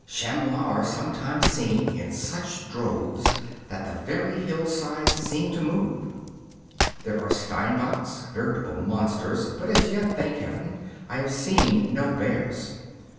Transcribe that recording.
Chamois are sometimes seen in such droves that the very hillsides seem to move. There are steinbocks, veritable monsters, but as yet, thank Heaven, I have seen no bears.